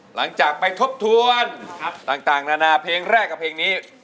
หลังจากไปทบทวนต่างนานาเพลงแรกกับเพลงนี้